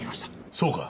そうか。